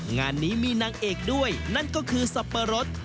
งานนี้มีนางเอกด้วยนั่นก็คือสับปะรด